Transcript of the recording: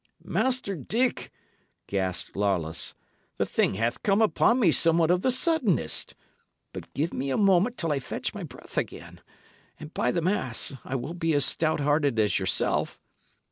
"Master Dick," gasped Lawless, "the thing hath come upon me somewhat of the suddenest. But give me a moment till I fetch my breath again; and, by the mass, I will be as stout hearted as yourself."